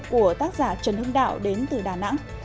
của tác giả trần hưng đạo đến từ đà nẵng